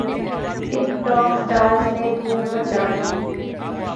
ٹک ٹوک سٹارز نے دھوم مچا دی